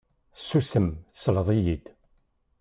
Susem, tesleḍ-iyi-d.